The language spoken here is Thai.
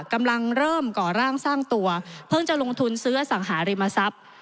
กำลังเริ่มก่อร่างสร้างตัวเพิ่งจะลงทุนซื้ออสังหาริมทรัพย์